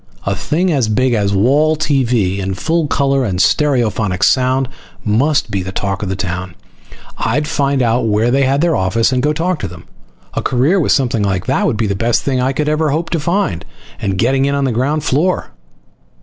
A thing as big as wall TV in full color and stereophonic sound must be the talk of the town. I'd find out where they had their office and go talk with them. A career with something like that would be the best thing I could ever hope to find. And getting in on the ground floor!